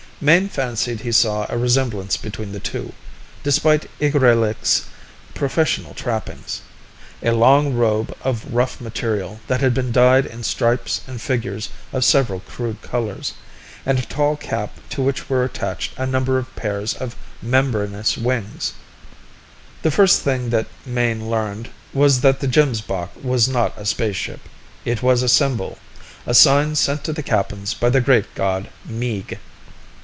Mayne fancied he saw a resemblance between the two, despite Igrillik's professional trappings a long robe of rough material that had been dyed in stripes and figures of several crude colors, and a tall cap to which were attached a number of pairs of membraneous wings. The first thing that Mayne learned was that the Gemsbok was not a spaceship; it was a symbol, a sign sent to the Kappans by the great god Meeg.